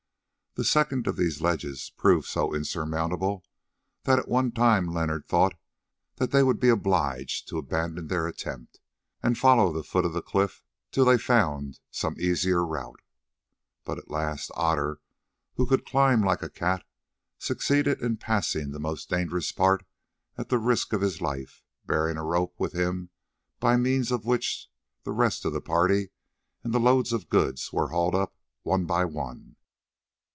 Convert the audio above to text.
The second of these ledges proved so insurmountable that at one time Leonard thought that they would be obliged to abandon their attempt, and follow the foot of the cliff till they found some easier route. But at last Otter, who could climb like a cat, succeeded in passing the most dangerous part at the risk of his life, bearing a rope with him by means of which the rest of the party and the loads of goods were hauled up one by one.